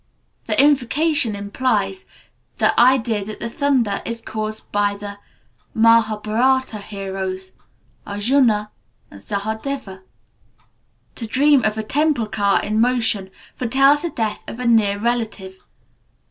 The invocation implies the idea that thunder is caused by the Mahabharata heroes, Arjuna and Sahadeva. To dream of a temple car in motion, foretells the death of a near relative.